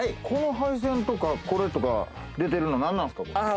この配線とかこれとか出てるの何なんですか？